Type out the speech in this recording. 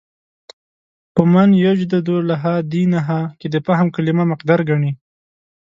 په «مَن یُجَدِّدُ لَهَا دِینَهَا» کې د «فهم» کلمه مقدر ګڼي.